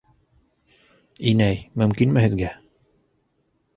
Инәй, мөмкинме һеҙгә?